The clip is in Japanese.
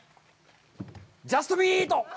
ジャストミート！